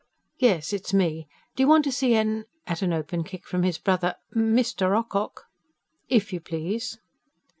"Yes, it's me. Do you want to see 'En " at an open kick from his brother "Mr. Ocock?" "If you please."